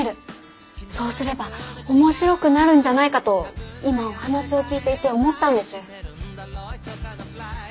そうすれば面白くなるんじゃないかと今お話を聞いていて思ったんです。